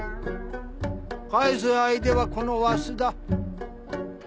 返す相手はこのわしだ。